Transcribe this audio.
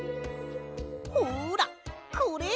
ほらこれ！